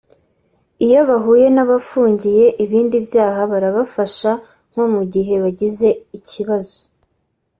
Iyo bahuye n’abafungiye ibindi byaha barabafasha nko mu gihe bagize ikibazo